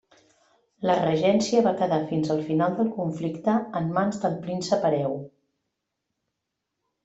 La regència va quedar fins al final del conflicte en mans del príncep hereu.